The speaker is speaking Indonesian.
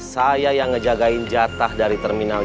saya yang ngejagain jatah dari terminal